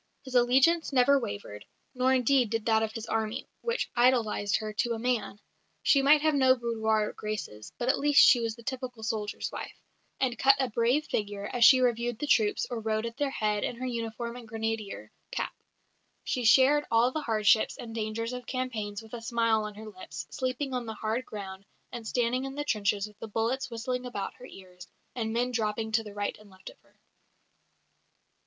His allegiance never wavered, nor indeed did that of his army, which idolised her to a man. She might have no boudoir graces, but at least she was the typical soldier's wife, and cut a brave figure, as she reviewed the troops or rode at their head in her uniform and grenadier cap. She shared all the hardships and dangers of campaigns with a smile on her lips, sleeping on the hard ground, and standing in the trenches with the bullets whistling about her ears, and men dropping to right and left of her.